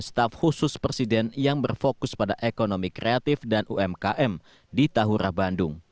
staf khusus presiden yang berfokus pada ekonomi kreatif dan umkm di tahura bandung